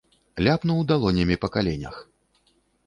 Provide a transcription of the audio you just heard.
Ляпнуў далонямі па каленях.